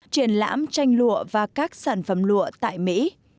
triển lãm tranh lụa và các sản phẩm lụa tại mỹ